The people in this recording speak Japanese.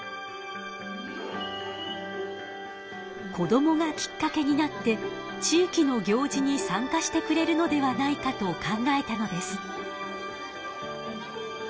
子どもがきっかけになって地域の行事に参加してくれるのではないかと考えたのです。